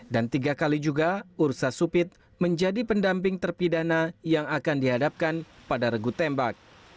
dan tiga kali juga ursa supit menjadi pendamping terpidana yang akan dihadapkan pada regu tembak